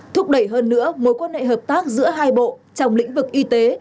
thúc đẩy hơn nữa mối quan hệ hợp tác giữa hai bộ trong lĩnh vực y tế